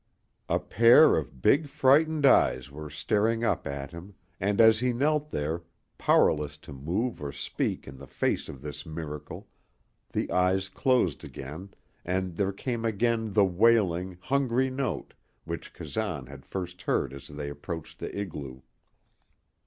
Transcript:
A pair of big frightened eyes were staring up at him; and as he knelt there, powerless to move or speak in the face of this miracle, the eyes closed again, and there came again the wailing, hungry note which Kazan had first heard as they approached the igloo.